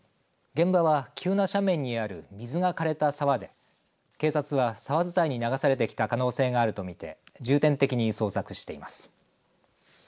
現場は、急な斜面にある水がかれた沢で警察は沢伝いに流されてきた可能性があると見て重点的に捜索しています。